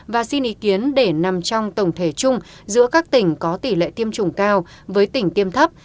và xin ý kiến để nằm trong tổng thể chung giữa các tỉnh có tỷ lệ tiêm chủng cao với tỉnh tiêm thấp